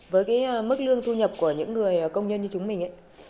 với cái mức lương thu nhập của những người công nhân như chúng mình ấy